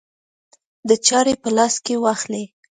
د چارې په لاس کې واخلي.